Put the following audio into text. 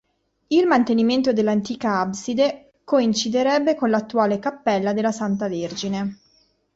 Il mantenimento dell'antica abside, coinciderebbe con l'attuale cappella della Santa Vergine.